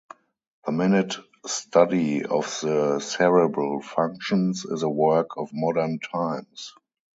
The minute study of the cerebral functions is a work of modern times.